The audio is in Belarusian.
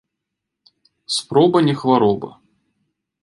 Спроба не хвароба